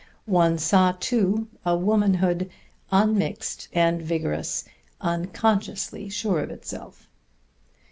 One saw, too, a womanhood unmixed and vigorous, unconsciously sure of itself.